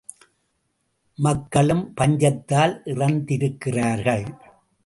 மக்களும் பஞ்சத்தால் இறந்திருக்கிறார்கள்.